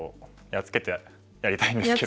やっつけてやりたいんですね。